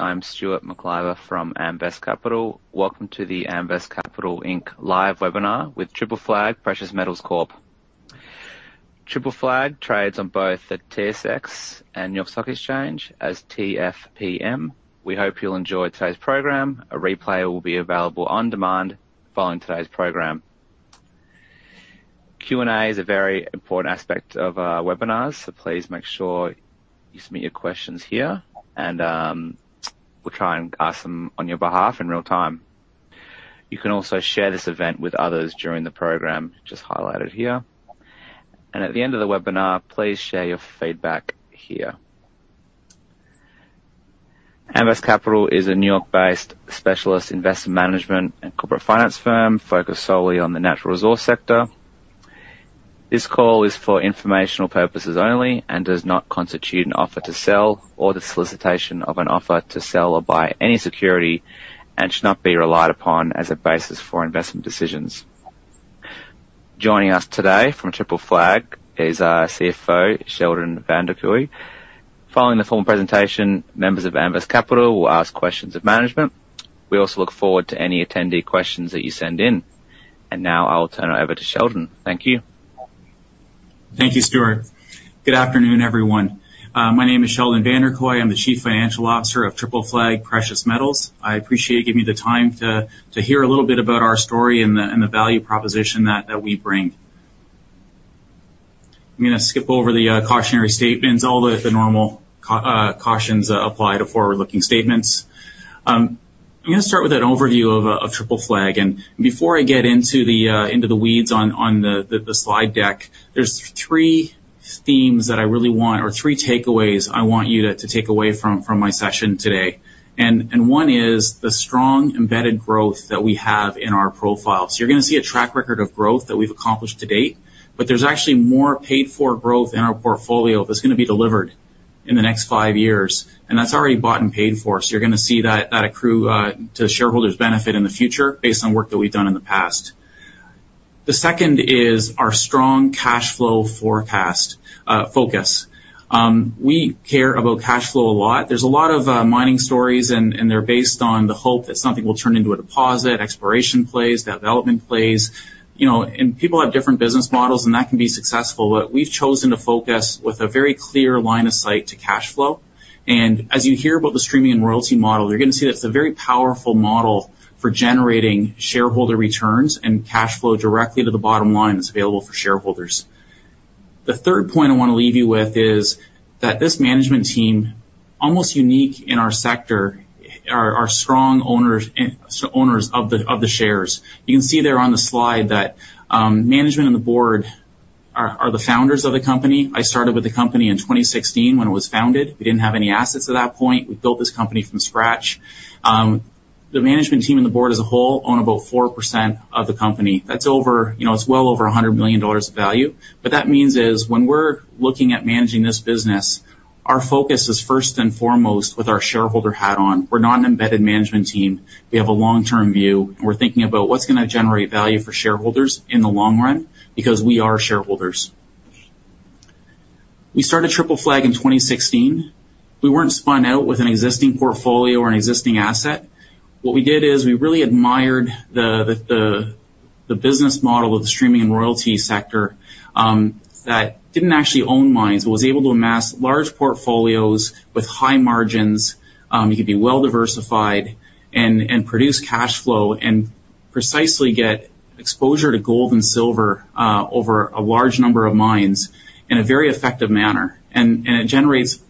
I'm Stuart Macliver from Amvest Capital. Welcome to the Amvest Capital, Inc. live webinar with Triple Flag Precious Metals Corp. Triple Flag trades on both the TSX and New York Stock Exchange as TFPM. We hope you'll enjoy today's program. A replay will be available on demand following today's program. Q&A is a very important aspect of our webinars, so please make sure you submit your questions here, and we'll try and ask them on your behalf in real time. You can also share this event with others during the program, just highlighted here. At the end of the webinar, please share your feedback here. Amvest Capital is a New York-based specialist investment management and corporate finance firm, focused solely on the natural resource sector. This call is for informational purposes only and does not constitute an offer to sell or the solicitation of an offer to sell or buy any security and should not be relied upon as a basis for investment decisions. Joining us today from Triple Flag is our CFO, Sheldon Vanderkooy. Following the formal presentation, members of Amvest Capital will ask questions of management. We also look forward to any attendee questions that you send in. And now I'll turn it over to Sheldon. Thank you. Thank you, Stuart. Good afternoon, everyone. My name is Sheldon Vanderkooy. I'm the Chief Financial Officer of Triple Flag Precious Metals. I appreciate you giving me the time to hear a little bit about our story and the value proposition that we bring. I'm going to skip over the cautionary statements. All the normal cautions apply to forward-looking statements. I'm gonna start with an overview of Triple Flag, and before I get into the weeds on the slide deck, there's three themes that I really want or three takeaways I want you to take away from my session today. And one is the strong embedded growth that we have in our profile. So you're gonna see a track record of growth that we've accomplished to date, but there's actually more paid for growth in our portfolio that's gonna be delivered in the next five years, and that's already bought and paid for. So you're gonna see that accrue to shareholders' benefit in the future based on work that we've done in the past. The second is our strong cash flow forecast focus. We care about cash flow a lot. There's a lot of mining stories, and they're based on the hope that something will turn into a deposit, exploration plays, development plays, you know, and people have different business models, and that can be successful. But we've chosen to focus with a very clear line of sight to cash flow. And as you hear about the streaming and royalty model, you're gonna see that it's a very powerful model for generating shareholder returns and cash flow directly to the bottom line that's available for shareholders. The third point I want to leave you with is that this management team, almost unique in our sector, are, are strong owners, and so owners of the, of the shares. You can see there on the slide that, management and the board are, are the founders of the company. I started with the company in 2016 when it was founded. We didn't have any assets at that point. We built this company from scratch. The management team and the board as a whole own about 4% of the company. That's over... You know, it's well over $100 million of value. What that means is when we're looking at managing this business, our focus is first and foremost with our shareholder hat on. We're not an embedded management team. We have a long-term view, and we're thinking about what's gonna generate value for shareholders in the long run because we are shareholders. We started Triple Flag in 2016. We weren't spun out with an existing portfolio or an existing asset. What we did is, we really admired the business model of the streaming and royalty sector that didn't actually own mines, but was able to amass large portfolios with high margins, you could be well diversified and produce cash flow and precisely get exposure to gold and silver over a large number of mines in a very effective manner. And it generates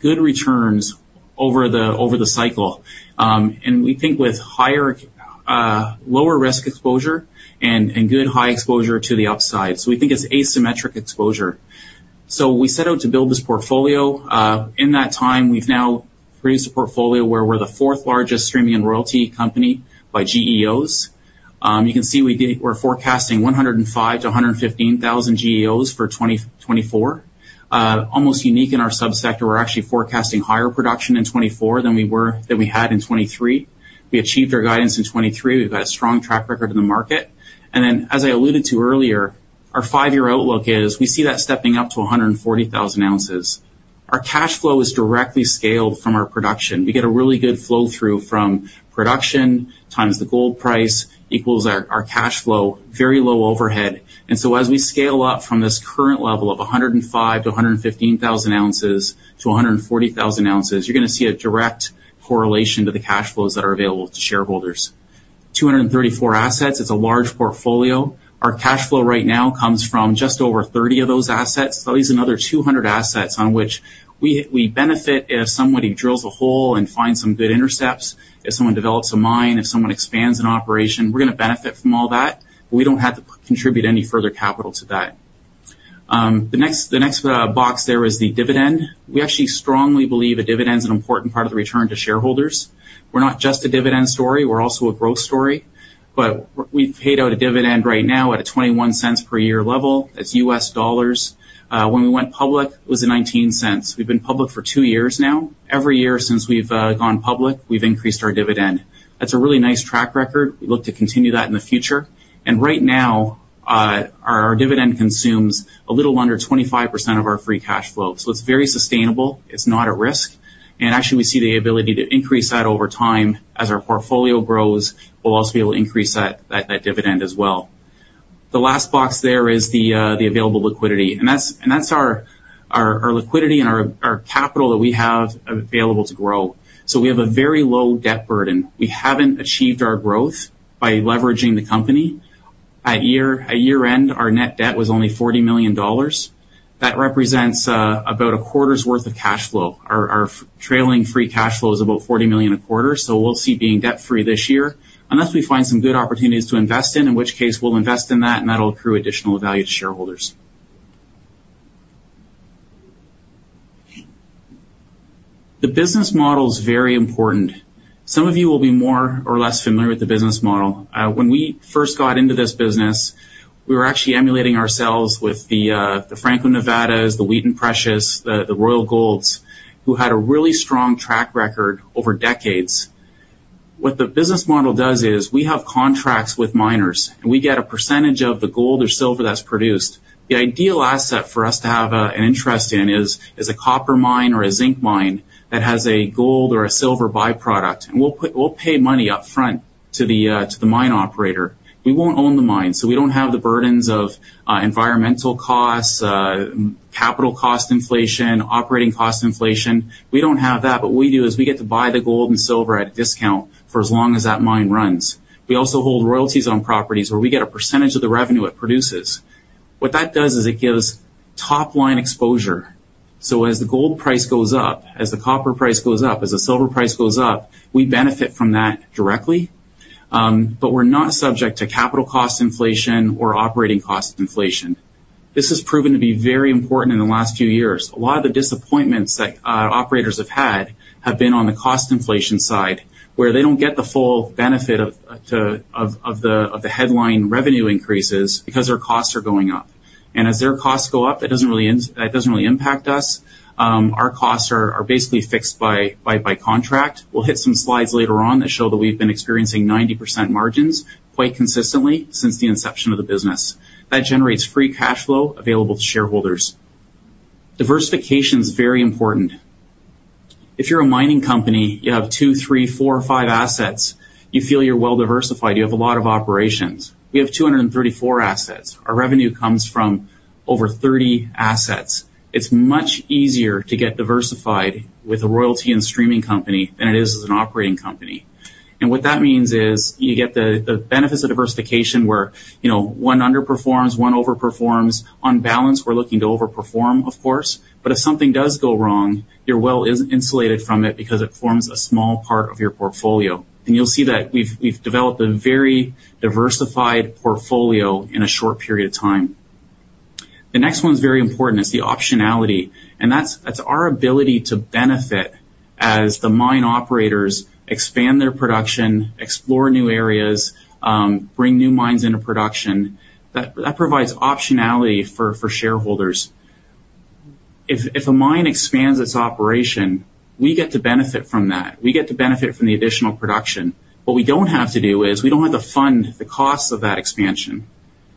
good returns over the cycle. And we think with higher, lower risk exposure and good high exposure to the upside. So we think it's asymmetric exposure. So we set out to build this portfolio. In that time, we've now raised a portfolio where we're the fourth largest streaming and royalty company by GEOs. You can see we're forecasting 105,000 to 115,000 GEOs for 2024. Almost unique in our subsector, we're actually forecasting higher production in 2024 than we had in 2023. We achieved our guidance in 2023. We've got a strong track record in the market. And then, as I alluded to earlier, our five-year outlook is we see that stepping up to 140,000 ounces. Our cash flow is directly scaled from our production. We get a really good flow through from production, times the gold price, equals our, our cash flow, very low overhead. And so as we scale up from this current level of 105,000 to 115,000 ounces to 140,000 ounces, you're gonna see a direct correlation to the cash flows that are available to shareholders. 234 assets, it's a large portfolio. Our cash flow right now comes from just over 30 of those assets. So that leaves another 200 assets on which we, we benefit if somebody drills a hole and finds some good intercepts, if someone develops a mine, if someone expands an operation, we're gonna benefit from all that, but we don't have to contribute any further capital to that. The next box there is the dividend. We actually strongly believe a dividend is an important part of the return to shareholders. We're not just a dividend story, we're also a growth story, but we've paid out a dividend right now at a $0.21 per year level. That's U.S. dollars. When we went public, it was at $0.19. We've been public for two years now. Every year, since we've gone public, we've increased our dividend. That's a really nice track record. We look to continue that in the future. And right now, our dividend consumes a little under 25% of our free cash flow. So it's very sustainable, it's not at risk, and actually, we see the ability to increase that over time. As our portfolio grows, we'll also be able to increase that, that, that dividend as well.... The last box there is the available liquidity, and that's our liquidity and our capital that we have available to grow. So we have a very low debt burden. We haven't achieved our growth by leveraging the company. At year-end, our net debt was only $40 million. That represents about a quarter's worth of cash flow. Our trailing free cash flow is about $40 million a quarter, so we'll see being debt-free this year, unless we find some good opportunities to invest in, in which case we'll invest in that, and that'll accrue additional value to shareholders. The business model is very important. Some of you will be more or less familiar with the business model. When we first got into this business, we were actually emulating ourselves with the Franco-Nevada, the Wheaton Precious Metals, the Royal Gold, who had a really strong track record over decades. What the business model does is, we have contracts with miners, and we get a percentage of the gold or silver that's produced. The ideal asset for us to have an interest in is a copper mine or a zinc mine that has a gold or a silver by-product, and we'll pay money upfront to the mine operator. We won't own the mine, so we don't have the burdens of environmental costs, capital cost inflation, operating cost inflation. We don't have that, but what we do is we get to buy the gold and silver at a discount for as long as that mine runs. We also hold royalties on properties where we get a percentage of the revenue it produces. What that does is it gives top-line exposure. So as the gold price goes up, as the copper price goes up, as the silver price goes up, we benefit from that directly, but we're not subject to capital cost inflation or operating cost inflation. This has proven to be very important in the last few years. A lot of the disappointments that operators have had have been on the cost inflation side, where they don't get the full benefit of the headline revenue increases because their costs are going up. And as their costs go up, that doesn't really impact us. Our costs are basically fixed by contract. We'll hit some slides later on that show that we've been experiencing 90% margins quite consistently since the inception of the business. That generates free cash flow available to shareholders. Diversification is very important. If you're a mining company, you have two, three, four, five assets, you feel you're well-diversified, you have a lot of operations. We have 234 assets. Our revenue comes from over 30 assets. It's much easier to get diversified with a royalty and streaming company than it is as an operating company. And what that means is, you get the benefits of diversification, where, you know, one underperforms, one overperforms. On balance, we're looking to overperform, of course, but if something does go wrong, you're well insulated from it because it forms a small part of your portfolio. And you'll see that we've developed a very diversified portfolio in a short period of time. The next one is very important, it's the optionality, and that's our ability to benefit as the mine operators expand their production, explore new areas, bring new mines into production. That provides optionality for shareholders. If a mine expands its operation, we get to benefit from that. We get to benefit from the additional production. What we don't have to do is, we don't have to fund the costs of that expansion.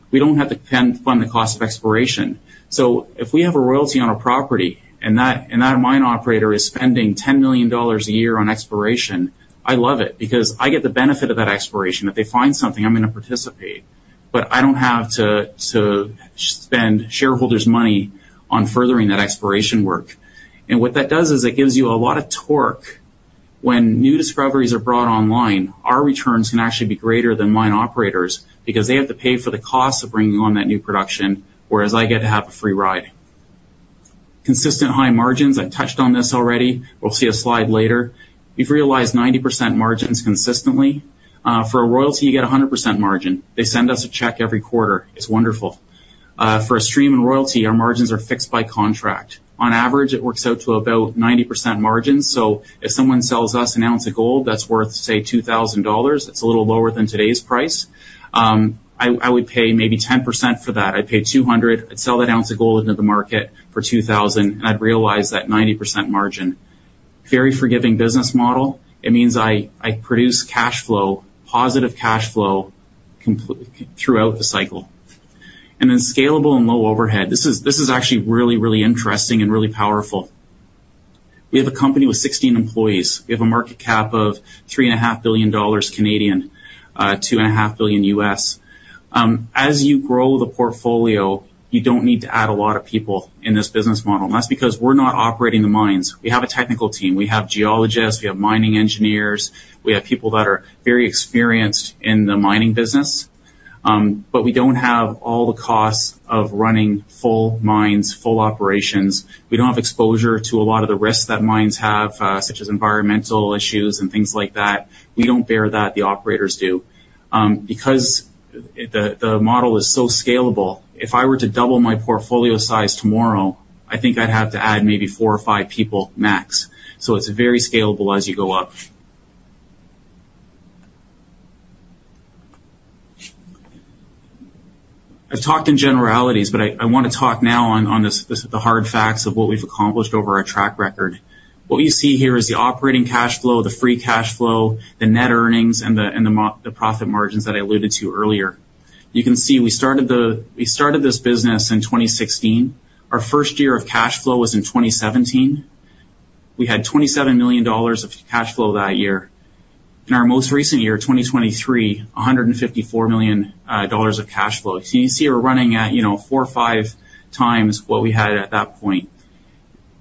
We don't have to fund the cost of exploration. So if we have a royalty on a property, and that mine operator is spending $10 million a year on exploration, I love it because I get the benefit of that exploration. If they find something, I'm gonna participate, but I don't have to, to spend shareholders' money on furthering that exploration work. And what that does is it gives you a lot of torque. When new discoveries are brought online, our returns can actually be greater than mine operators because they have to pay for the cost of bringing on that new production, whereas I get to have a free ride. Consistent high margins, I've touched on this already. We'll see a slide later. We've realized 90% margins consistently. For a royalty, you get 100% margin. They send us a check every quarter. It's wonderful. For a stream and royalty, our margins are fixed by contract. On average, it works out to about 90% margins. So if someone sells us an ounce of gold, that's worth, say, $2000, it's a little lower than today's price, I would pay maybe 10% for that. I'd pay $200, I'd sell that ounce of gold into the market for $2000, and I'd realize that 90% margin. Very forgiving business model. It means I produce cash flow, positive cash flow throughout the cycle. And then scalable and low overhead. This is actually really, really interesting and really powerful. We have a company with 16 employees. We have a market cap of 3.5 billion Canadian dollars, $2.5 billion. As you grow the portfolio, you don't need to add a lot of people in this business model, and that's because we're not operating the mines. We have a technical team, we have geologists, we have mining engineers, we have people that are very experienced in the mining business, but we don't have all the costs of running full mines, full operations. We don't have exposure to a lot of the risks that mines have, such as environmental issues and things like that. We don't bear that, the operators do. Because the model is so scalable, if I were to double my portfolio size tomorrow, I think I'd have to add maybe four or five people, max. So it's very scalable as you go up. I've talked in generalities, but I want to talk now on the hard facts of what we've accomplished over our track record. What you see here is the operating cash flow, the free cash flow, the net earnings, and the profit margins that I alluded to earlier. You can see we started this business in 2016. Our first year of cash flow was in 2017. We had $27 million of cash flow that year. In our most recent year, 2023, $154 million of cash flow. So you see we're running at, you know, four or five times what we had at that point.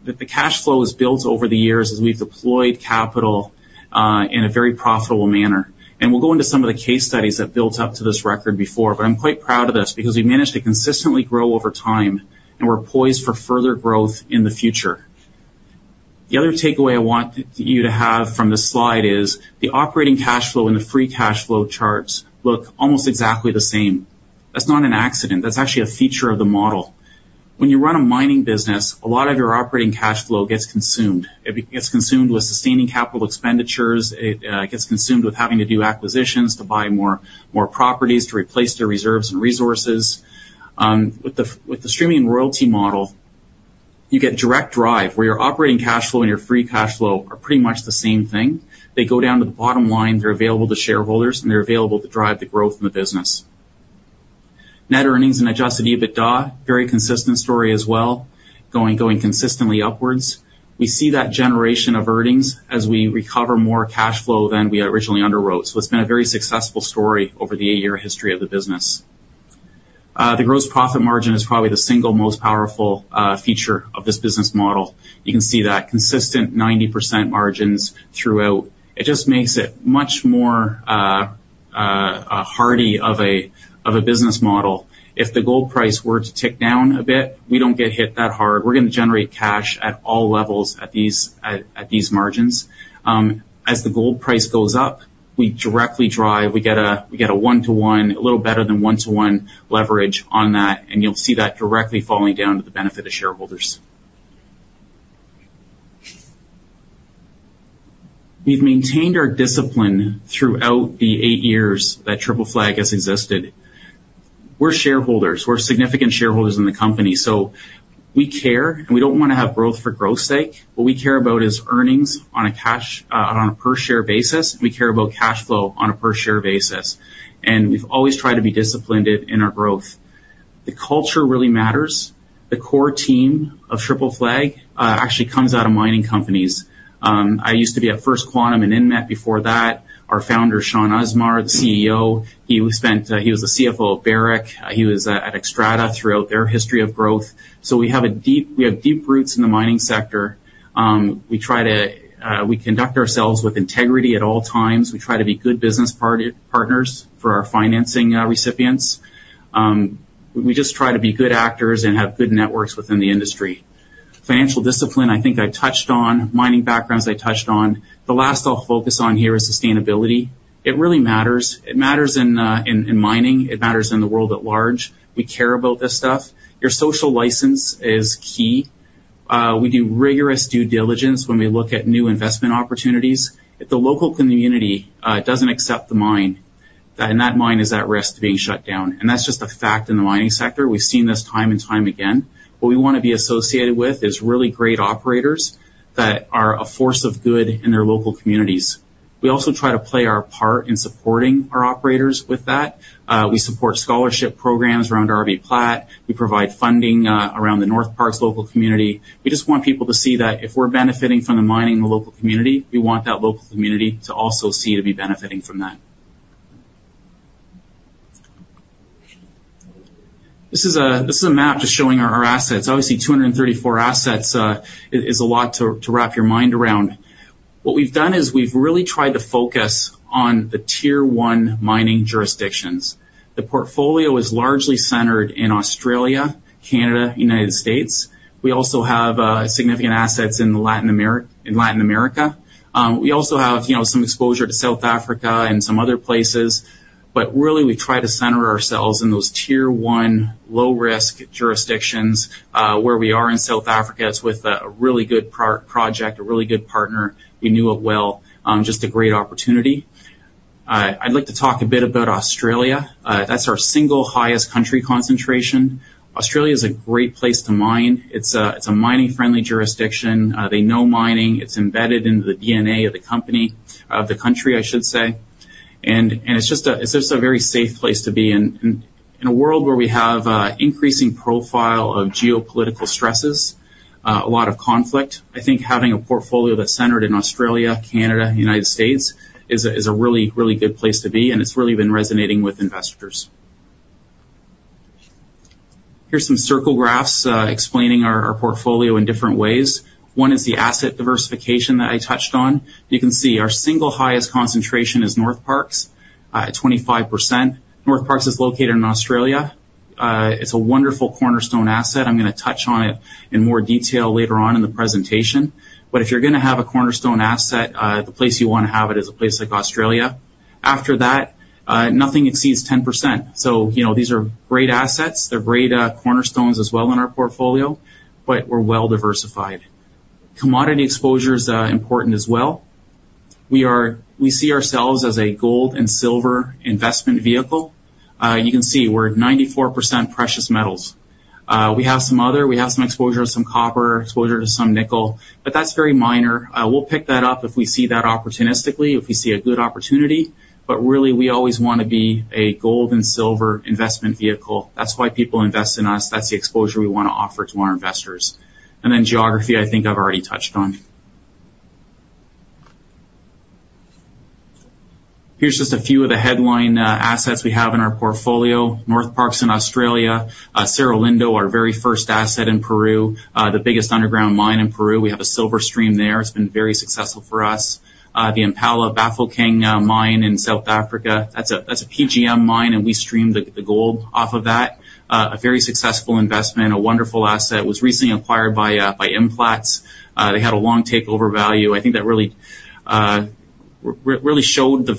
But the cash flow is built over the years as we've deployed capital in a very profitable manner. And we'll go into some of the case studies that built up to this record before. But I'm quite proud of this because we've managed to consistently grow over time, and we're poised for further growth in the future. The other takeaway I want you to have from this slide is, the operating cash flow and the free cash flow charts look almost exactly the same. That's not an accident. That's actually a feature of the model. When you run a mining business, a lot of your operating cash flow gets consumed. It gets consumed with sustaining capital expenditures. It gets consumed with having to do acquisitions, to buy more properties, to replace their reserves and resources. With the streaming royalty model, you get direct drive, where your operating cash flow and your free cash flow are pretty much the same thing. They go down to the bottom line, they're available to shareholders, and they're available to drive the growth in the business. Net earnings and adjusted EBITDA, very consistent story as well, going, going consistently upwards. We see that generation of earnings as we recover more cash flow than we originally underwrote. So it's been a very successful story over the eight-year history of the business. The gross profit margin is probably the single most powerful feature of this business model. You can see that consistent 90% margins throughout. It just makes it much more heartier business model. If the gold price were to tick down a bit, we don't get hit that hard. We're gonna generate cash at all levels at these, at these margins. As the gold price goes up, we directly drive. We get a little better than one-to-one leverage on that, and you'll see that directly falling down to the benefit of shareholders. We've maintained our discipline throughout the eight years that Triple Flag has existed. We're shareholders, we're significant shareholders in the company, so we care, and we don't wanna have growth for growth's sake. What we care about is earnings on a cash, on a per share basis, we care about cash flow on a per share basis, and we've always tried to be disciplined in our growth. The culture really matters. The core team of Triple Flag, actually comes out of mining companies. I used to be at First Quantum and Inmet before that. Our founder, Shaun Usmar, the CEO, he spent, he was the CFO of Barrick, he was at Xstrata throughout their history of growth. So we have deep roots in the mining sector. We try to, we conduct ourselves with integrity at all times. We try to be good business partners for our financing recipients. We just try to be good actors and have good networks within the industry. Financial discipline, I think I touched on. Mining backgrounds, I touched on. The last I'll focus on here is sustainability. It really matters. It matters in, in mining, it matters in the world at large. We care about this stuff. Your social license is key. We do rigorous due diligence when we look at new investment opportunities. If the local community doesn't accept the mine, then that mine is at risk to being shut down, and that's just a fact in the mining sector. We've seen this time and time again. What we want to be associated with is really great operators that are a force of good in their local communities. We also try to play our part in supporting our operators with that. We support scholarship programs around RBPlat. We provide funding around the Northparkes local community. We just want people to see that if we're benefiting from the mining in the local community, we want that local community to also see to be benefiting from that. This is a map just showing our assets. Obviously, 234 assets is a lot to wrap your mind around. What we've done is we've really tried to focus on the Tier One mining jurisdictions. The portfolio is largely centered in Australia, Canada, United States. We also have significant assets in Latin America. We also have, you know, some exposure to South Africa and some other places, but really, we try to center ourselves in those Tier One, low risk jurisdictions. Where we are in South Africa, it's with a really good project, a really good partner. We knew it well, just a great opportunity. I'd like to talk a bit about Australia. That's our single highest country concentration. Australia is a great place to mine. It's a mining-friendly jurisdiction. They know mining. It's embedded into the DNA of the company, of the country, I should say. It's just a very safe place to be. In a world where we have an increasing profile of geopolitical stresses, a lot of conflict, I think having a portfolio that's centered in Australia, Canada, United States, is a really, really good place to be, and it's really been resonating with investors. Here's some circle graphs explaining our portfolio in different ways. One is the asset diversification that I touched on. You can see our single highest concentration is Northparkes at 25%. Northparkes is located in Australia. It's a wonderful cornerstone asset. I'm gonna touch on it in more detail later on in the presentation. But if you're gonna have a cornerstone asset, the place you wanna have it is a place like Australia. After that, nothing exceeds 10%. So, you know, these are great assets. They're great, cornerstones as well in our portfolio, but we're well-diversified. Commodity exposure is, important as well. We are- we see ourselves as a gold and silver investment vehicle. You can see we're at 94% precious metals. We have some other... We have some exposure to some copper, exposure to some nickel, but that's very minor. We'll pick that up if we see that opportunistically, if we see a good opportunity, but really, we always wanna be a gold and silver investment vehicle. That's why people invest in us. That's the exposure we wanna offer to our investors. And then geography, I think I've already touched on.... Here's just a few of the headline, assets we have in our portfolio. Northparkes in Australia. Cerro Lindo, our very first asset in Peru, the biggest underground mine in Peru. We have a silver stream there. It's been very successful for us. The Impala Bafokeng mine in South Africa, that's a PGM mine, and we stream the gold off of that. A very successful investment, a wonderful asset, was recently acquired by Implats. They had a long takeover value. I think that really showed the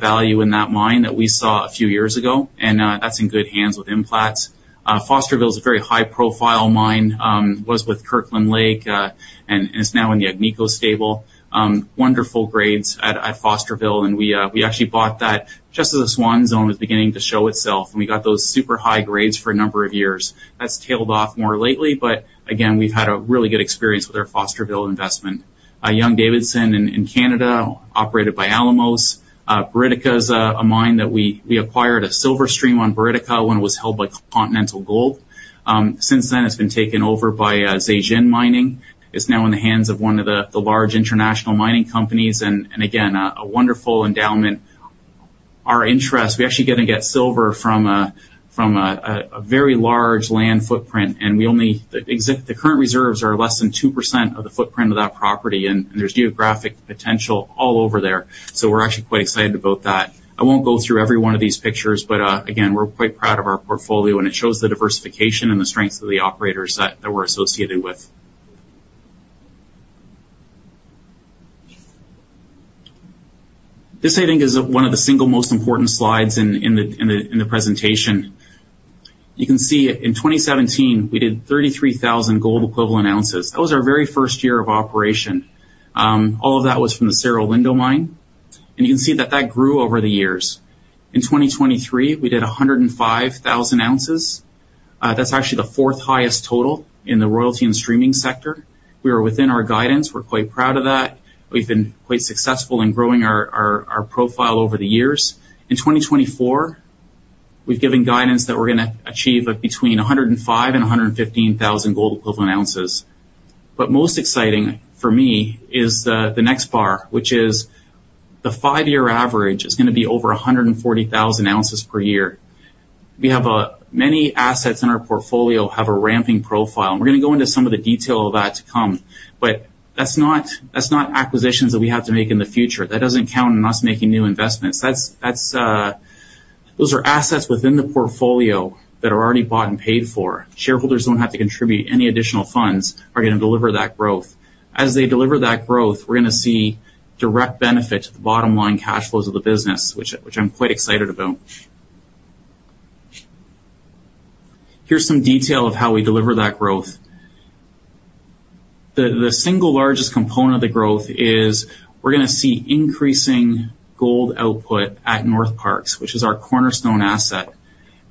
value in that mine that we saw a few years ago, and that's in good hands with Implats. Fosterville is a very high-profile mine, was with Kirkland Lake, and it's now in the Agnico stable. Wonderful grades at Fosterville, and we actually bought that just as the Swan Zone was beginning to show itself, and we got those super high grades for a number of years. That's tailed off more lately, but again, we've had a really good experience with our Fosterville investment. Young-Davidson in Canada, operated by Alamos. Buriticá is a mine that we acquired a silver stream on Buriticá when it was held by Continental Gold. Since then, it's been taken over by Zijin Mining. It's now in the hands of one of the large international mining companies, and again, a wonderful endowment. Our interest, we actually going to get silver from a very large land footprint, and we only... The current reserves are less than 2% of the footprint of that property, and there's geographic potential all over there. So we're actually quite excited about that. I won't go through every one of these pictures, but again, we're quite proud of our portfolio, and it shows the diversification and the strengths of the operators that we're associated with. This, I think, is one of the single most important slides in the presentation. You can see, in 2017, we did 33,000 gold equivalent ounces. That was our very first year of operation. All of that was from the Cerro Lindo mine, and you can see that that grew over the years. In 2023, we did 105,000 ounces. That's actually the fourth highest total in the royalty and streaming sector. We are within our guidance. We're quite proud of that. We've been quite successful in growing our profile over the years. In 2024, we've given guidance that we're going to achieve between 105,000 and 115,000 gold equivalent ounces. But most exciting for me is the next bar, which is the five-year average is going to be over 140,000 ounces per year. We have many assets in our portfolio, have a ramping profile. We're going to go into some of the detail of that to come, but that's not acquisitions that we have to make in the future. That doesn't count on us making new investments. That's... Those are assets within the portfolio that are already bought and paid for. Shareholders don't have to contribute any additional funds, are going to deliver that growth. As they deliver that growth, we're going to see direct benefit to the bottom line cash flows of the business, which I'm quite excited about. Here's some detail of how we deliver that growth. The single largest component of the growth is we're going to see increasing gold output at Northparkes, which is our cornerstone asset.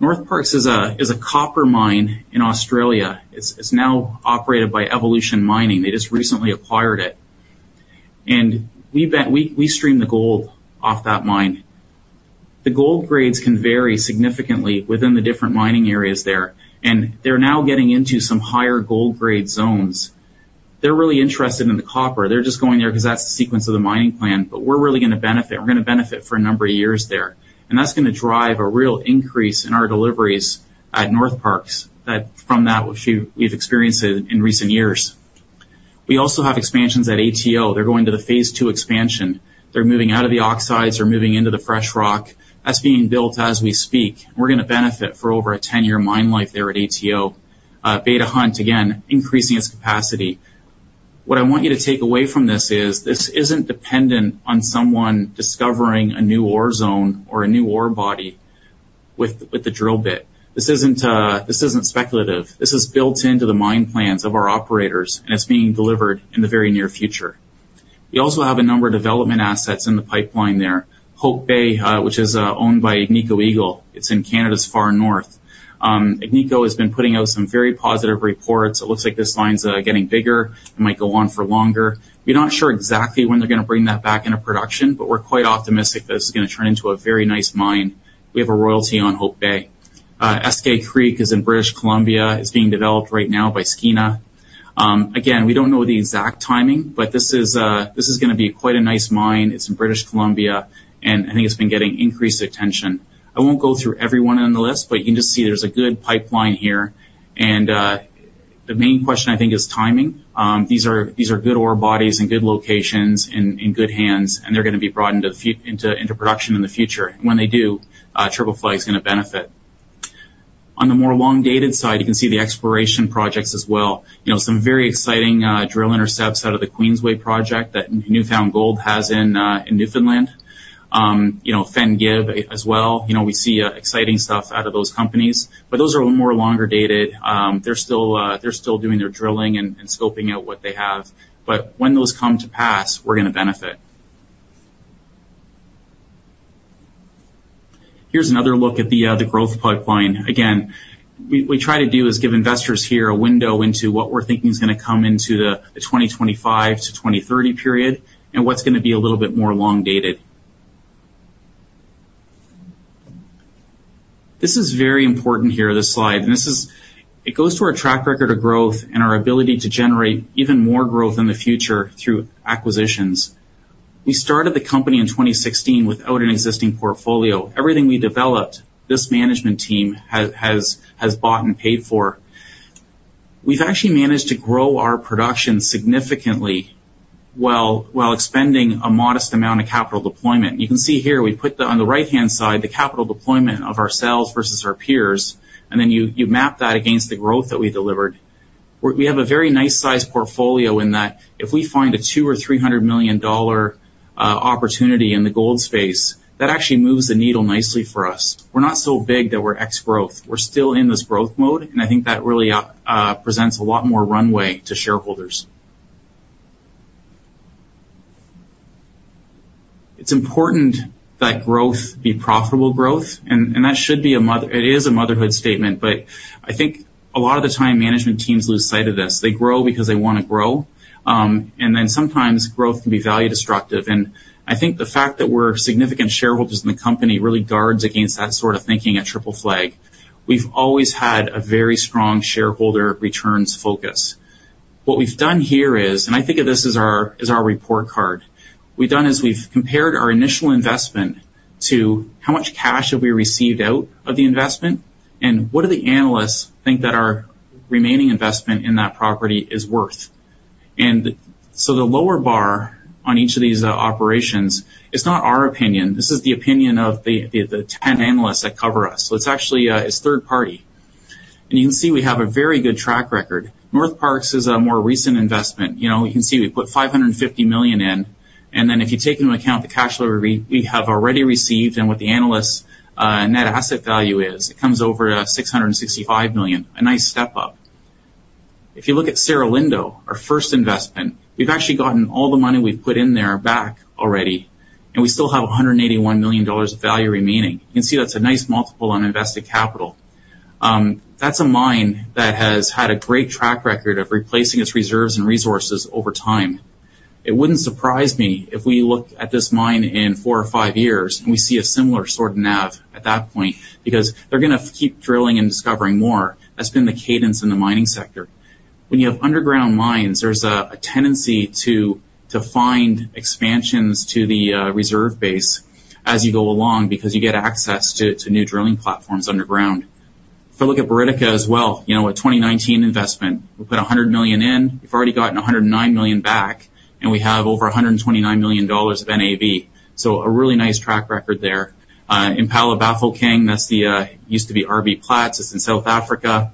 Northparkes is a copper mine in Australia. It's now operated by Evolution Mining. They just recently acquired it. And we stream the gold off that mine. The gold grades can vary significantly within the different mining areas there, and they're now getting into some higher gold grade zones. They're really interested in the copper. They're just going there because that's the sequence of the mining plan, but we're really going to benefit. We're going to benefit for a number of years there, and that's going to drive a real increase in our deliveries at Northparkes, that from that, which we, we've experienced it in recent years. We also have expansions at ATO. They're going to the phase two expansion. They're moving out of the oxides, they're moving into the fresh rock. That's being built as we speak. We're going to benefit for over a 10-year mine life there at ATO. Beta Hunt, again, increasing its capacity. What I want you to take away from this is, this isn't dependent on someone discovering a new ore zone or a new ore body with, with a drill bit. This isn't, this isn't speculative. This is built into the mine plans of our operators, and it's being delivered in the very near future. We also have a number of development assets in the pipeline there. Hope Bay, which is owned by Agnico Eagle. It's in Canada's far north. Agnico has been putting out some very positive reports. It looks like this mine's getting bigger. It might go on for longer. We're not sure exactly when they're going to bring that back into production, but we're quite optimistic that this is going to turn into a very nice mine. We have a royalty on Hope Bay. Eskay Creek is in British Columbia. It's being developed right now by Skeena. Again, we don't know the exact timing, but this is going to be quite a nice mine. It's in British Columbia, and I think it's been getting increased attention. I won't go through every one on the list, but you can just see there's a good pipeline here, and the main question, I think, is timing. These are good ore bodies in good locations, in good hands, and they're going to be brought into production in the future. When they do, Triple Flag is going to benefit. On the more long-dated side, you can see the exploration projects as well. You know, some very exciting drill intercepts out of the Queensway project that New Found Gold has in Newfoundland. You know, Fenn-Gib as well. You know, we see exciting stuff out of those companies, but those are more longer dated. They're still doing their drilling and scoping out what they have, but when those come to pass, we're going to benefit. Here's another look at the growth pipeline. Again, we try to do is give investors here a window into what we're thinking is going to come into the 2025 to 2030 period, and what's going to be a little bit more long dated. This is very important here, this slide, and this is it goes to our track record of growth and our ability to generate even more growth in the future through acquisitions. We started the company in 2016 without an existing portfolio. Everything we developed, this management team has bought and paid for. We've actually managed to grow our production significantly while expending a modest amount of capital deployment. You can see here, we put the, on the right-hand side, the capital deployment of ourselves versus our peers, and then you map that against the growth that we delivered. We have a very nice size portfolio in that if we find a $200 to $300 million opportunity in the gold space, that actually moves the needle nicely for us. We're not so big that we're ex-growth. We're still in this growth mode, and I think that really presents a lot more runway to shareholders. It's important that growth be profitable growth, and that should be a motherhood statement, but I think a lot of the time, management teams lose sight of this. They grow because they want to grow, and then sometimes growth can be value destructive. I think the fact that we're significant shareholders in the company really guards against that sort of thinking at Triple Flag. We've always had a very strong shareholder returns focus. What we've done here is, and I think of this as our, as our report card, we've done is we've compared our initial investment to how much cash have we received out of the investment, and what do the analysts think that our remaining investment in that property is worth? So the lower bar on each of these operations is not our opinion. This is the opinion of the ten analysts that cover us. So it's actually, it's third party. And you can see we have a very good track record. Northparkes is a more recent investment. You know, you can see we put $550 million in, and then if you take into account the cash flow we have already received and what the analysts net asset value is, it comes over $665 million, a nice step up. If you look at Cerro Lindo, our first investment, we've actually gotten all the money we've put in there back already, and we still have $181 million of value remaining. You can see that's a nice multiple on invested capital. That's a mine that has had a great track record of replacing its reserves and resources over time. It wouldn't surprise me if we look at this mine in four or five years, and we see a similar sort of NAV at that point, because they're gonna keep drilling and discovering more. That's been the cadence in the mining sector. When you have underground mines, there's a tendency to find expansions to the reserve base as you go along because you get access to new drilling platforms underground. If you look at Buriticá as well, you know, a 2019 investment, we put $100 million in, we've already gotten $109 million back, and we have over $129 million of NAV. So a really nice track record there. Impala Bafokeng, that's the used to be RBPlat. It's in South Africa.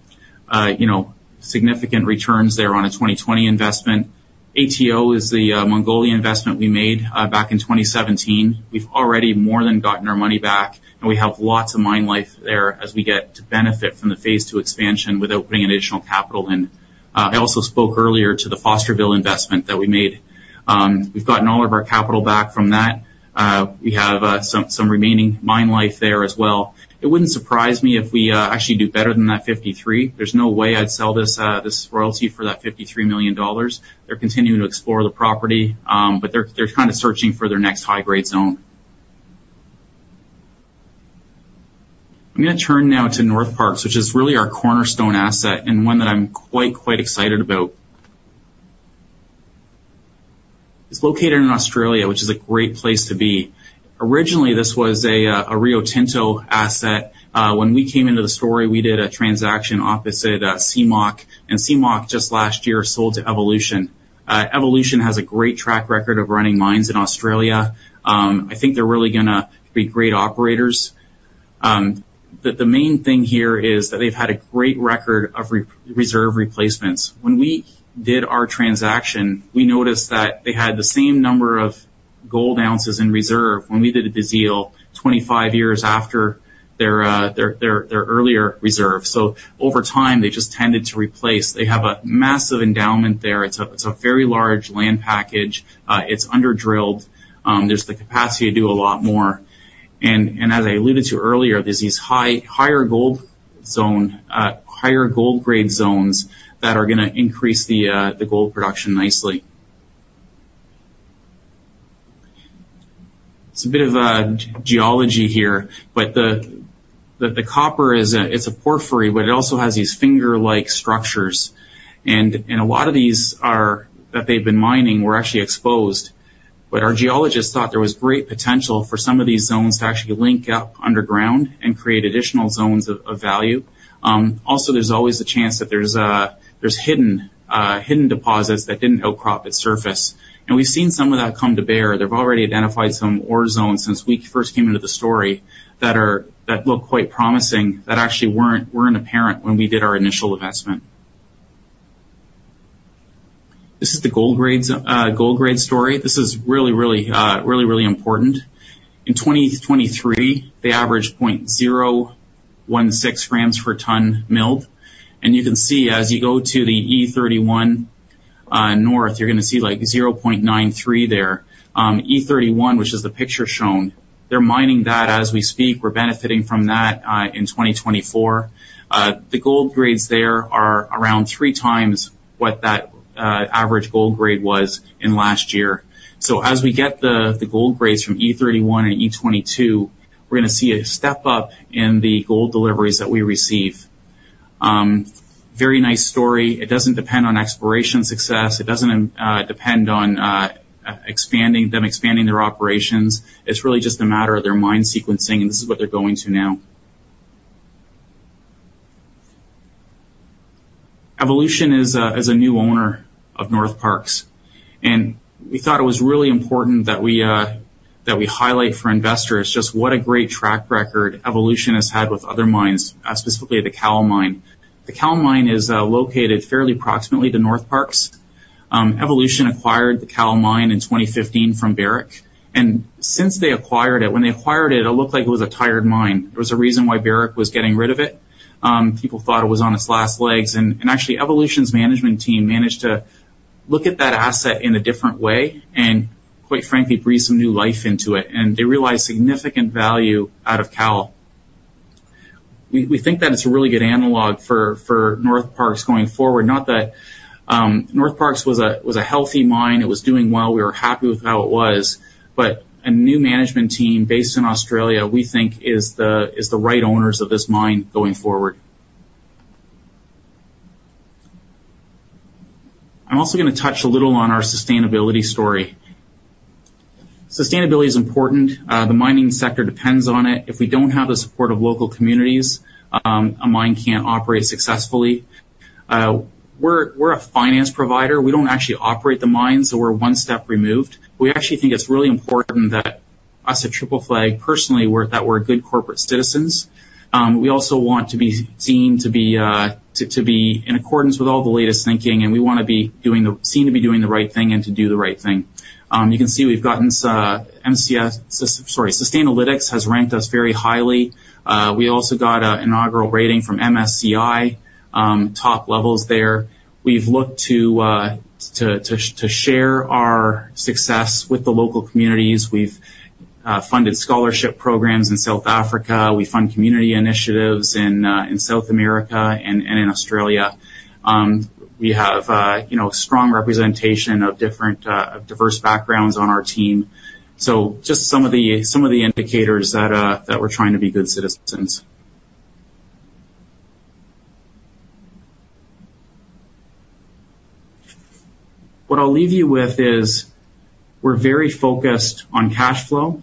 You know, significant returns there on a 2020 investment. ATO is the Mongolian investment we made back in 2017. We've already more than gotten our money back, and we have lots of mine life there as we get to benefit from the phase two expansion without putting additional capital in. I also spoke earlier to the Fosterville investment that we made. We've gotten all of our capital back from that. We have some remaining mine life there as well. It wouldn't surprise me if we actually do better than that 53. There's no way I'd sell this royalty for that $53 million. They're continuing to explore the property, but they're kind of searching for their next high-grade zone. I'm gonna turn now to Northparkes, which is really our cornerstone asset and one that I'm quite, quite excited about. It's located in Australia, which is a great place to be. Originally, this was a Rio Tinto asset. When we came into the story, we did a transaction opposite CMOC, and CMOC, just last year, sold to Evolution. Evolution has a great track record of running mines in Australia. I think they're really gonna be great operators. But the main thing here is that they've had a great record of reserve replacements. When we did our transaction, we noticed that they had the same number of gold ounces in reserve when we did the deal 25 years after their earlier reserve. So over time, they just tended to replace. They have a massive endowment there. It's a very large land package. It's under-drilled. There's the capacity to do a lot more. As I alluded to earlier, there are these higher gold grade zones that are gonna increase the gold production nicely. It's a bit of a geology here, but the copper is a porphyry, but it also has these finger-like structures. A lot of these that they've been mining were actually exposed, but our geologists thought there was great potential for some of these zones to actually link up underground and create additional zones of value. Also, there's always a chance that there's hidden deposits that didn't outcrop at surface. And we've seen some of that come to bear. They've already identified some ore zones since we first came into the story that look quite promising, that actually weren't apparent when we did our initial investment. This is the gold grades, gold grade story. This is really, really, really, really important. In 2023, they averaged 0.016 grams per ton milled, and you can see as you go to the E31 North, you're gonna see, like, 0.93 there. E31, which is the picture shown, they're mining that as we speak. We're benefiting from that in 2024. The gold grades there are around three times what that average gold grade was in last year. So as we get the gold grades from E31 and E22, we're gonna see a step up in the gold deliveries that we receive. Very nice story. It doesn't depend on exploration success. It doesn't depend on expanding their operations. It's really just a matter of their mine sequencing, and this is what they're going to now. Evolution is a new owner of Northparkes, and we thought it was really important that we highlight for investors just what a great track record Evolution has had with other mines, specifically the Cowal Mine. The Cowal Mine is located fairly proximately to Northparkes. Evolution acquired the Cowal Mine in 2015 from Barrick, and since they acquired it, when they acquired it, it looked like it was a tired mine. There was a reason why Barrick was getting rid of it. People thought it was on its last legs, and actually, Evolution's management team managed to look at that asset in a different way and, quite frankly, breathe some new life into it, and they realized significant value out of Cowal. We think that it's a really good analog for Northparkes going forward. Not that Northparkes was a healthy mine. It was doing well. We were happy with how it was, but a new management team based in Australia, we think is the right owners of this mine going forward. I'm also gonna touch a little on our sustainability story. Sustainability is important. The mining sector depends on it. If we don't have the support of local communities, a mine can't operate successfully. We're a finance provider. We don't actually operate the mines, so we're one step removed. We actually think it's really important that us at Triple Flag, personally, we're good corporate citizens. We also want to be seen to be in accordance with all the latest thinking, and we want to be doing the seen to be doing the right thing and to do the right thing. You can see we've gotten some MSCI... Sorry, Sustainalytics has ranked us very highly. We also got an inaugural rating from MSCI, top levels there. We've looked to share our success with the local communities. We've funded scholarship programs in South Africa. We fund community initiatives in South America and in Australia. We have, you know, strong representation of different, of diverse backgrounds on our team. So just some of the indicators that we're trying to be good citizens. What I'll leave you with is we're very focused on cash flow.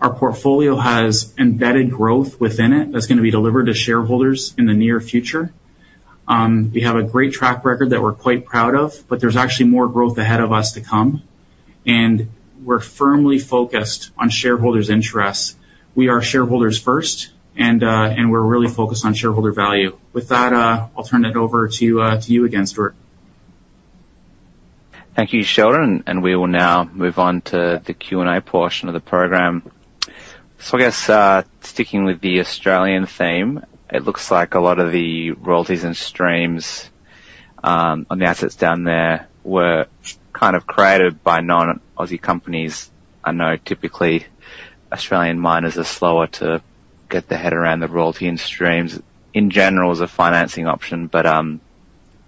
Our portfolio has embedded growth within it that's gonna be delivered to shareholders in the near future. We have a great track record that we're quite proud of, but there's actually more growth ahead of us to come, and we're firmly focused on shareholders' interests. We are shareholders first, and we're really focused on shareholder value. With that, I'll turn it over to you again, Stuart. Thank you, Sheldon, and we will now move on to the Q&A portion of the program. So I guess, sticking with the Australian theme, it looks like a lot of the royalties and streams on the assets down there were kind of created by non-Aussie companies. I know typically Australian miners are slower to get their head around the royalty and streams in general as a financing option. But,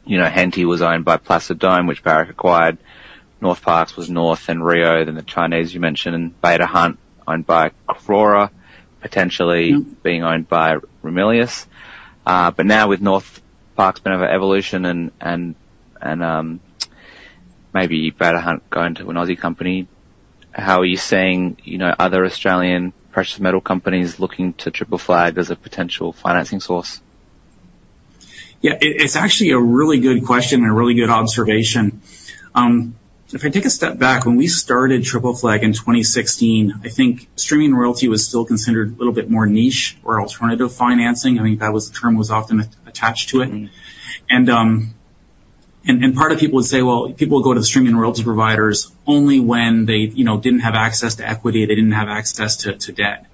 you know, Henty was owned by Placer Dome, which Barrick acquired. Northparkes was North and Rio, then the Chinese, you mentioned, and Beta Hunt, owned by Karora, potentially- Yeah. being owned by Ramelius. But now with Northparkes been over Evolution and maybe Beta Hunt going to an Aussie company, how are you seeing, you know, other Australian precious metal companies looking to Triple Flag as a potential financing source? Yeah, it's actually a really good question and a really good observation. If I take a step back, when we started Triple Flag in 2016, I think streaming royalty was still considered a little bit more niche or alternative financing. I think that was the term was often attached to it. Mm-hmm. Part of people would say, "Well, people go to the streaming royalty providers only when they, you know, didn't have access to equity, they didn't have access to debt."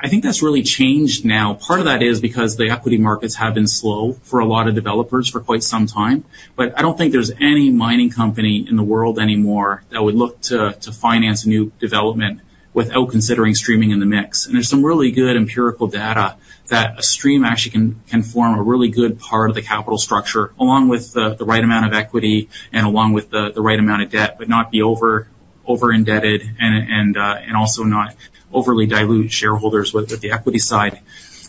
I think that's really changed now. Part of that is because the equity markets have been slow for a lot of developers for quite some time. But I don't think there's any mining company in the world anymore that would look to finance new development without considering streaming in the mix. And there's some really good empirical data that a stream actually can form a really good part of the capital structure, along with the right amount of equity and along with the right amount of debt, but not be over-indebted and also not overly dilute shareholders with the equity side.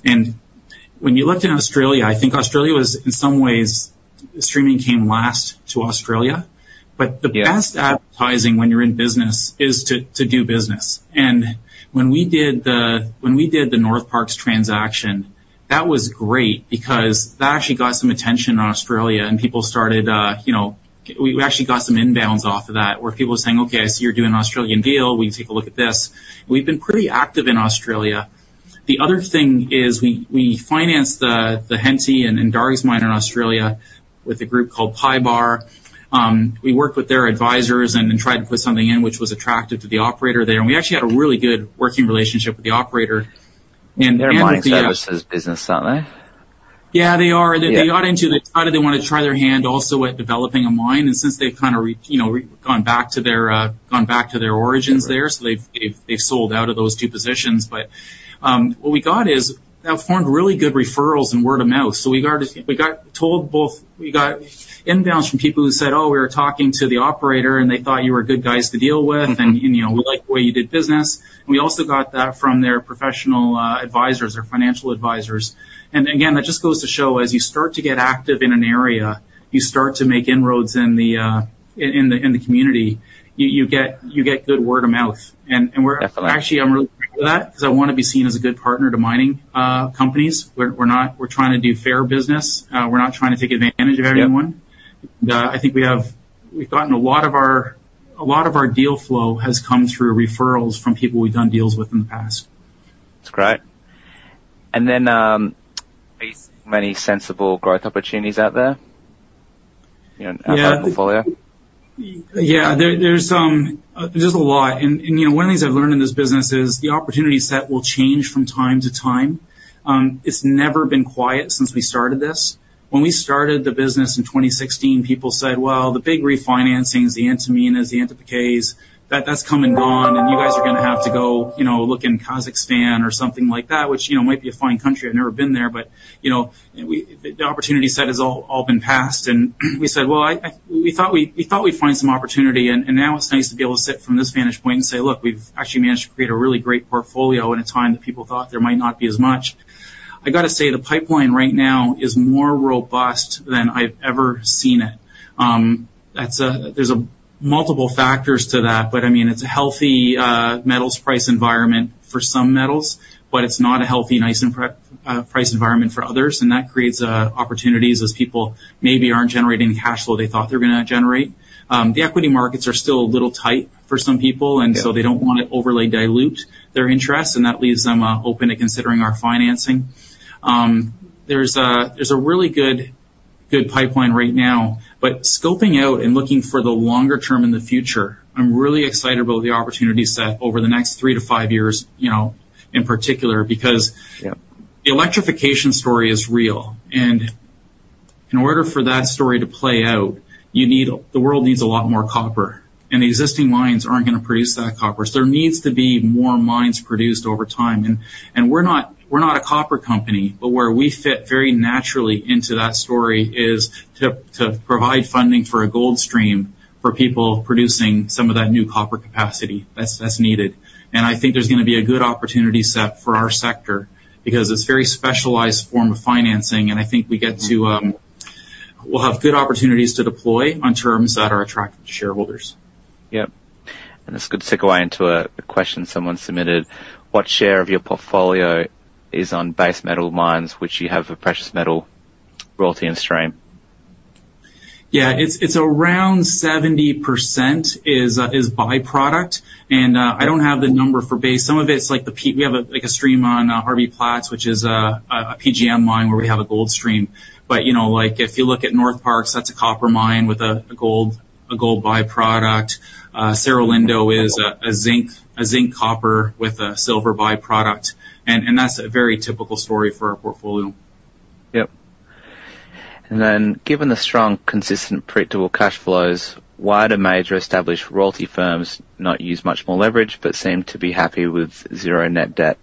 When you looked in Australia, I think Australia was, in some ways, streaming came last to Australia. Yeah. But the best advertising when you're in business is to do business. And when we did the Northparkes transaction, that was great because that actually got some attention in Australia, and people started, you know, we actually got some inbounds off of that, where people were saying: "Okay, I see you're doing an Australian deal. Will you take a look at this?" We've been pretty active in Australia. The other thing is, we financed the Henty and Dargues Mine in Australia with a group called PYBAR. We worked with their advisors and tried to put something in which was attractive to the operator there, and we actually had a really good working relationship with the operator and the- They're a mining services business, aren't they? ... Yeah, they are. Yeah. They got into the thought they want to try their hand also at developing a mine, and since they've kind of, you know, gone back to their origins there. So they've sold out of those two positions. But what we got is that formed really good referrals and word of mouth. So we got told both, we got inbounds from people who said, "Oh, we were talking to the operator, and they thought you were good guys to deal with. Mm-hmm. And, and, you know, we like the way you did business." We also got that from their professional advisors or financial advisors. And again, that just goes to show, as you start to get active in an area, you start to make inroads in the community. You get good word of mouth, and we're- Definitely. Actually, I'm really with that because I want to be seen as a good partner to mining companies. We're trying to do fair business. We're not trying to take advantage of anyone. Yep. I think we have... We've gotten a lot of our, a lot of our deal flow has come through referrals from people we've done deals with in the past. That's great. Are you seeing many sensible growth opportunities out there in our portfolio? Yeah. Yeah, there, there's a lot. And, you know, one of the things I've learned in this business is the opportunity set will change from time to time. It's never been quiet since we started this. When we started the business in 2016, people said, "Well, the big refinancings, the Antamina, the Antofagasta, that's come and gone, and you guys are going to have to go, you know, look in Kazakhstan or something like that," which, you know, might be a fine country. I've never been there but, you know, we, the opportunity set has all been passed. We said, "Well, I..." We thought we'd find some opportunity, and now it's nice to be able to sit from this vantage point and say: Look, we've actually managed to create a really great portfolio in a time that people thought there might not be as much. I got to say, the pipeline right now is more robust than I've ever seen it. That's— there are multiple factors to that, but I mean, it's a healthy metals price environment for some metals, but it's not a healthy, nice, and precious price environment for others, and that creates opportunities as people maybe aren't generating the cash flow they thought they were going to generate. The equity markets are still a little tight for some people- Yeah... and so they don't want to overly dilute their interest, and that leaves them open to considering our financing. There's a really good pipeline right now, but scoping out and looking for the longer term in the future, I'm really excited about the opportunity set over the next three to five years, you know, in particular, because- Yeah... the electrification story is real, and in order for that story to play out, the world needs a lot more copper, and the existing mines aren't going to produce that copper. So there needs to be more mines produced over time. And we're not a copper company, but where we fit very naturally into that story is to provide funding for a gold stream for people producing some of that new copper capacity that's needed. And I think there's going to be a good opportunity set for our sector because it's a very specialized form of financing, and I think we get to, we'll have good opportunities to deploy on terms that are attractive to shareholders. Yep, and this could segue into a question someone submitted: What share of your portfolio is on base metal mines, which you have a precious metal royalty and stream? Yeah, it's around 70% is by-product, and I don't have the number for base. Some of it's like we have, like, a stream on RBPlat, which is a PGM mine where we have a gold stream. But, you know, like, if you look at Northparkes, that's a copper mine with a gold by-product. Cerro Lindo is a zinc-copper with a silver by-product, and that's a very typical story for our portfolio. Yep. And then, given the strong, consistent, predictable cash flows, why do major established royalty firms not use much more leverage but seem to be happy with zero net debt?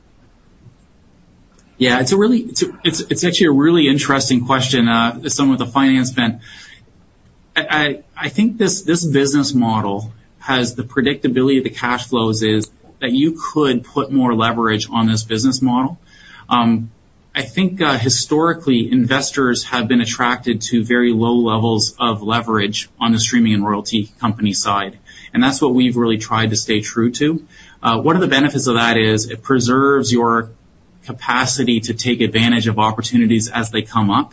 Yeah, it's a really... It's actually a really interesting question as someone with a finance bent. I think this business model has the predictability of the cash flows is, that you could put more leverage on this business model. I think historically, investors have been attracted to very low levels of leverage on the streaming and royalty company side, and that's what we've really tried to stay true to. One of the benefits of that is, it preserves your capacity to take advantage of opportunities as they come up.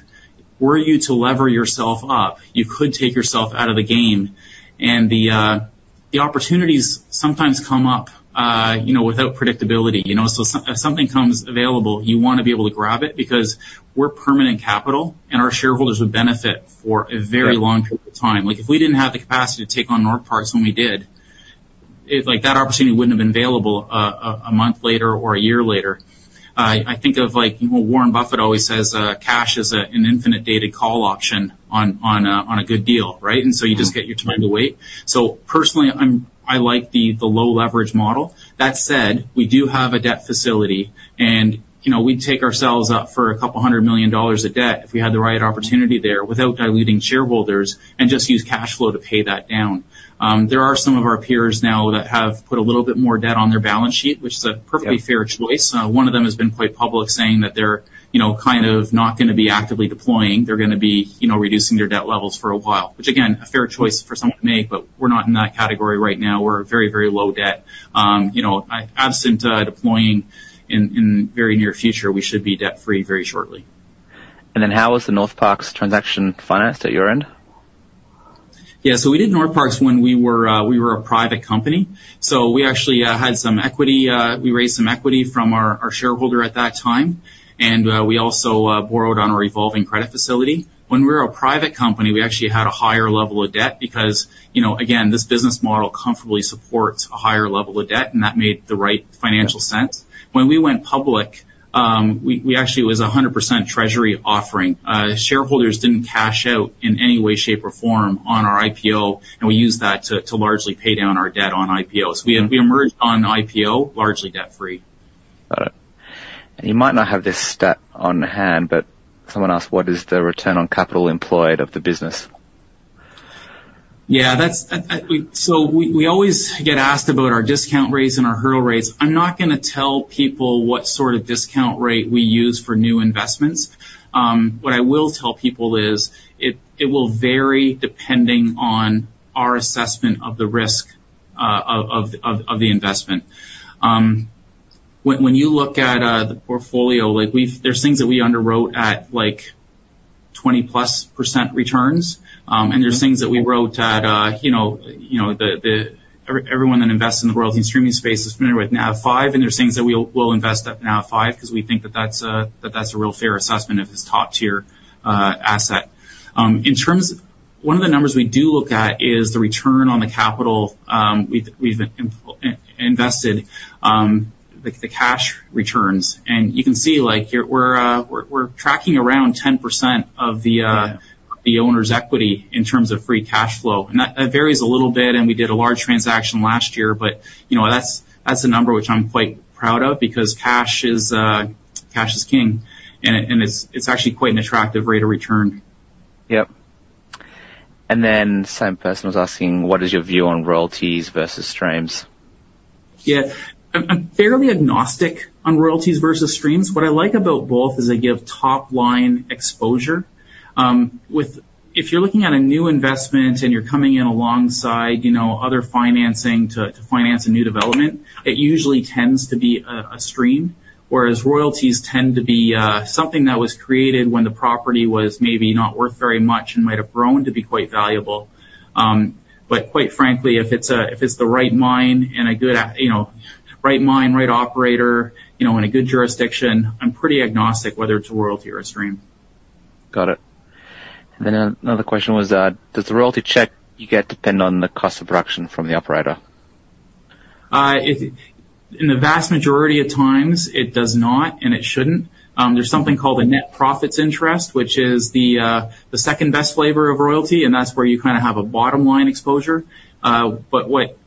Were you to lever yourself up, you could take yourself out of the game, and the opportunities sometimes come up, you know, without predictability, you know? If something comes available, you want to be able to grab it, because we're permanent capital, and our shareholders would benefit for a very- Yep... long period of time. Like, if we didn't have the capacity to take on Northparkes when we did, it, like, that opportunity wouldn't have been available, a month later or a year later. I think of, like, you know, Warren Buffett always says, "Cash is an infinite dated call option on a good deal," right? Mm-hmm. You just get your time to wait. Personally, I like the low leverage model. That said, we do have a debt facility, and, you know, we'd take ourselves up for $200 million of debt if we had the right opportunity there without diluting shareholders, and just use cash flow to pay that down. There are some of our peers now that have put a little bit more debt on their balance sheet, which is a- Yep... perfectly fair choice. One of them has been quite public, saying that they're, you know, kind of not gonna be actively deploying. They're gonna be, you know, reducing their debt levels for a while, which, again, a fair choice for someone to make, but we're not in that category right now. We're very, very low debt. You know, I absent deploying in very near future, we should be debt-free very shortly. How was the Northparkes transaction financed at your end? Yeah. So we did Northparkes when we were, we were a private company, so we actually had some equity, we raised some equity from our, our shareholder at that time, and we also borrowed on a revolving credit facility. When we were a private company, we actually had a higher level of debt because, you know, again, this business model comfortably supports a higher level of debt, and that made the right financial sense. When we went public, we, we actually, it was 100% treasury offering. Shareholders didn't cash out in any way, shape, or form on our IPO, and we used that to, to largely pay down our debt on IPOs. Mm-hmm. We emerged on IPO, largely debt-free. Got it... You might not have this stat on hand, but someone asked, what is the return on capital employed of the business? Yeah, that's so we always get asked about our discount rates and our hurdle rates. I'm not gonna tell people what sort of discount rate we use for new investments. What I will tell people is, it will vary depending on our assessment of the risk of the investment. When you look at the portfolio, like we've... There's things that we underwrote at, like, 20%+ returns. And there's things that we wrote at, you know, the everyone that invests in the royalty and streaming space is familiar with NAV 5, and there's things that we'll invest at NAV 5 because we think that that's a real fair assessment of this top-tier asset. In terms of... One of the numbers we do look at is the return on the capital we've invested, like, the cash returns. And you can see, like, here, we're tracking around 10% of the owner's equity in terms of free cash flow. And that varies a little bit, and we did a large transaction last year. But, you know, that's a number which I'm quite proud of, because cash is king, and it's actually quite an attractive rate of return. Yep. And then the same person was asking, what is your view on royalties versus streams? Yeah. I'm fairly agnostic on royalties versus streams. What I like about both is they give top-line exposure. If you're looking at a new investment and you're coming in alongside, you know, other financing to finance a new development, it usually tends to be a stream, whereas royalties tend to be something that was created when the property was maybe not worth very much and might have grown to be quite valuable. But quite frankly, if it's the right mine and... You know, right mine, right operator, you know, in a good jurisdiction, I'm pretty agnostic whether it's a royalty or a stream. Got it. Then, another question was, does the royalty check you get depend on the cost of production from the operator? In the vast majority of times, it does not, and it shouldn't. There's something called a net profits interest, which is the second best flavor of royalty, and that's where you kind of have a bottom-line exposure. But what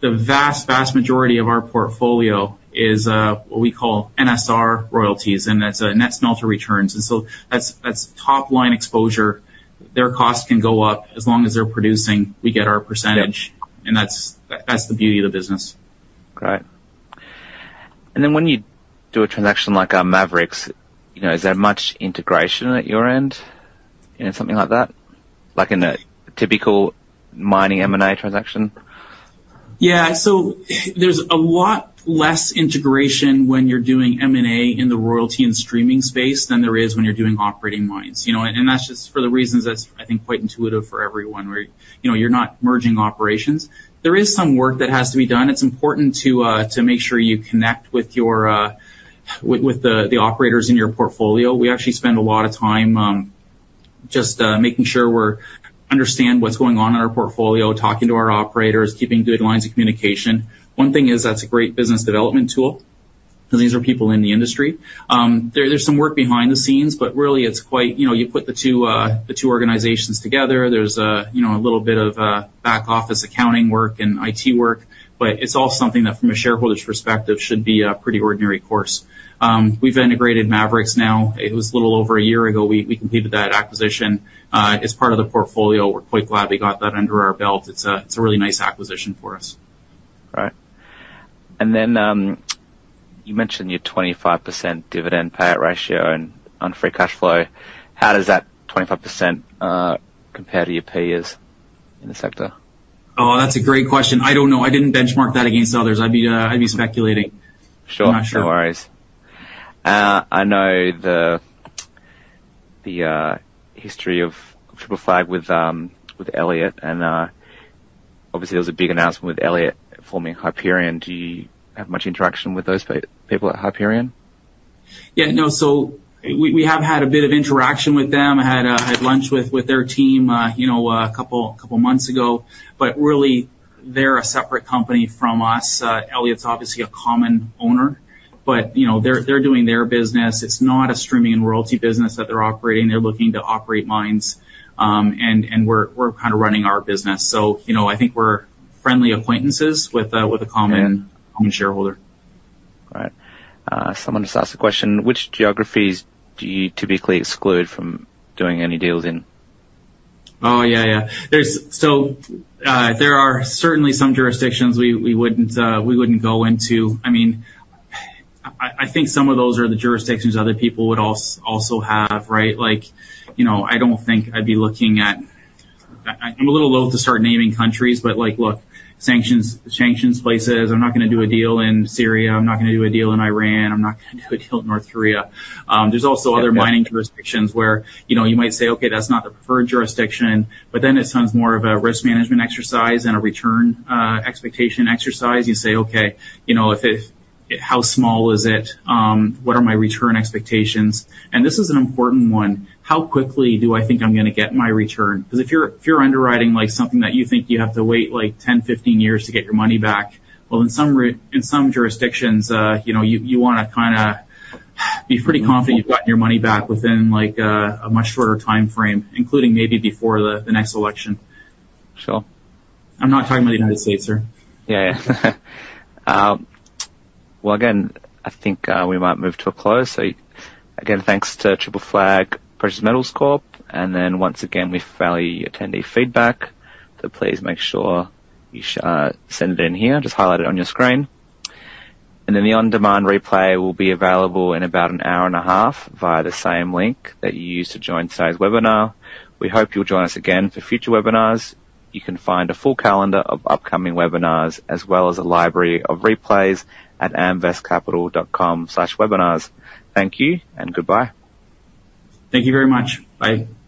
the vast, vast majority of our portfolio is, what we call NSR royalties, and that's net smelter returns, and so that's top-line exposure. Their costs can go up. As long as they're producing, we get our percentage- Yeah. That's, that's the beauty of the business. Great. And then when you do a transaction like Maverix, you know, is there much integration at your end in something like that? Like in a typical mining M&A transaction? Yeah. So there's a lot less integration when you're doing M&A in the royalty and streaming space than there is when you're doing operating mines, you know? And that's just for the reasons that's, I think, quite intuitive for everyone, where, you know, you're not merging operations. There is some work that has to be done. It's important to make sure you connect with the operators in your portfolio. We actually spend a lot of time just making sure we understand what's going on in our portfolio, talking to our operators, keeping good lines of communication. One thing is, that's a great business development tool because these are people in the industry. There's some work behind the scenes, but really, it's quite... You know, you put the two, the two organizations together, there's a, you know, a little bit of, back office accounting work and IT work, but it's all something that, from a shareholder's perspective, should be a pretty ordinary course. We've integrated Maverix now. It was a little over a year ago, we completed that acquisition. As part of the portfolio, we're quite glad we got that under our belt. It's a, it's a really nice acquisition for us. Right. And then, you mentioned your 25% dividend payout ratio and on free cash flow. How does that 25% compare to your peers in the sector? Oh, that's a great question. I don't know. I didn't benchmark that against others. I'd be, I'd be speculating. Sure. I'm not sure. No worries. I know the history of Triple Flag with Elliott, and obviously, there was a big announcement with Elliott forming Hyperion. Do you have much interaction with those people at Hyperion? Yeah, no. So we have had a bit of interaction with them. I had lunch with their team, you know, a couple months ago, but really, they're a separate company from us. Elliott's obviously a common owner, but, you know, they're doing their business. It's not a streaming and royalty business that they're operating. They're looking to operate mines, and we're kind of running our business. So, you know, I think we're friendly acquaintances with a common- Yeah... common shareholder. All right. Someone just asked a question, which geographies do you typically exclude from doing any deals in? Oh, yeah, yeah. There's so, there are certainly some jurisdictions we wouldn't go into. I mean, I think some of those are the jurisdictions other people would also have, right? Like, you know, I don't think I'd be looking at... I'm a little loath to start naming countries, but, like, look, sanctions, sanctions places. I'm not gonna do a deal in Syria. I'm not gonna do a deal in Iran. I'm not gonna do a deal in North Korea. There's also other- Yeah... mining jurisdictions where, you know, you might say, "Okay, that's not the preferred jurisdiction," but then it becomes more of a risk management exercise than a return expectation exercise. You say, "Okay, you know, if it, how small is it? What are my return expectations?" And this is an important one: "How quickly do I think I'm gonna get my return?" Because if you're underwriting, like, something that you think you have to wait, like, 10, 15 years to get your money back, well, in some jurisdictions, you know, you wanna kinda be pretty confident you've gotten your money back within, like, a much shorter timeframe, including maybe before the next election. Sure. I'm not talking about the United States, sir. Yeah, yeah. Well, again, I think we might move to a close. Again, thanks to Triple Flag Precious Metals Corp. Then, once again, we value your attendee feedback, so please make sure you send it in here. Just highlight it on your screen. Then the on-demand replay will be available in about an hour and a half via the same link that you used to join today's webinar. We hope you'll join us again for future webinars. You can find a full calendar of upcoming webinars, as well as a library of replays at amvestcapital.com/webinars. Thank you and goodbye. Thank you very much. Bye.